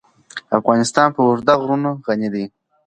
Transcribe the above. افغانستان په اوږده غرونه غني دی.